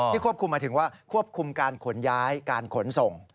ควบคุมมาถึงว่าควบคุมการขนย้ายการขนส่ง